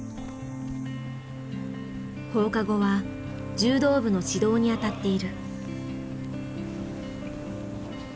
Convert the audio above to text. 放課後は柔道部の指導にあたっている。